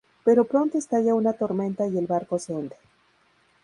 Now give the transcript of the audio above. Pero pronto estalla una tormenta y el barco se hunde.